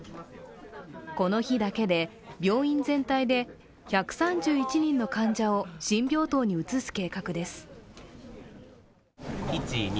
この日だけで病院全体で１３１人の患者を新病棟に移す計画です。